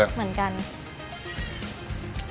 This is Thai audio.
มีความเหมือนกัน